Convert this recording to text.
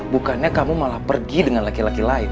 bukannya kamu malah pergi dengan laki laki lain